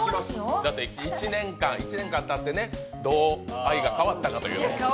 １年間たってどう愛が変わったかという。